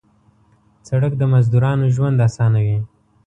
سړک د مزدورانو ژوند اسانوي.